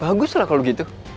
wah bagus lah kalo gitu